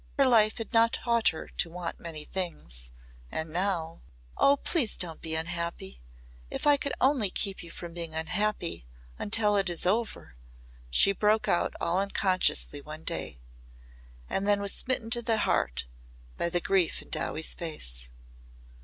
Her life had not taught her to want many things. And now : "Oh! please don't be unhappy! If I could only keep you from being unhappy until it is over!" she broke out all unconsciously one day. And then was smitten to the heart by the grief in Dowie's face.